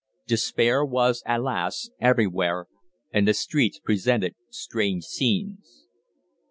Despair was, alas! everywhere, and the streets presented strange scenes.